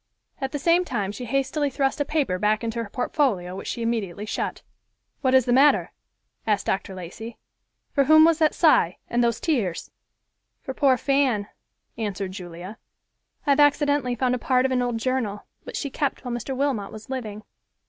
At the same time she hastily thrust a paper back into her portfolio, which she immediately shut. "What is the matter?" asked Dr. Lacey. "For whom was that sigh and those tears?" "For poor Fan," answered Julia. "I have accidently found a part of an old journal, which she kept while Mr. Wilmot was living."